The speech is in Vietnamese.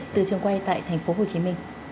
từ trường quay tại tp hcm